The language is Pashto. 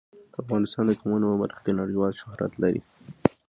افغانستان د قومونه په برخه کې نړیوال شهرت لري.